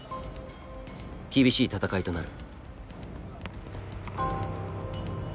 厳しい戦いとなる。